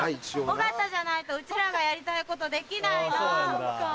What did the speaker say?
尾形じゃないとうちらがやりたいことできないの。